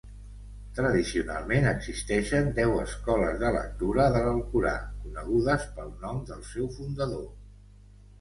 Tradicionalment, existeixen deu escoles de lectura de l'Alcorà conegudes pel nom del seu fundador.